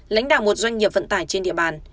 lãnh đạo một doanh nghiệp vận tải trên địa bàn